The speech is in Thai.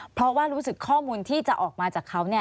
เพราะว่ารู้สึกข้อมูลที่จะออกมาจากเขา